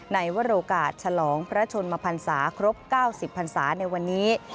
ในวรโอกาสฉลองพระชนมพันศาครบ๙๐พันศาในวันนี้